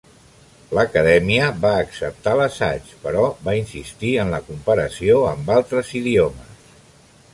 L'acadèmia va acceptar l'assaig però va insistir en la comparació amb altres idiomes.